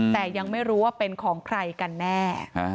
แต่ยังไม่รู้ว่าเป็นของใครกันแน่